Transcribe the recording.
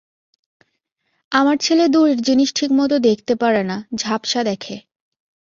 আমার ছেলে দূরের জিনিস ঠিকমত দেখতে পারে না, ঝাপ্সা দেখে।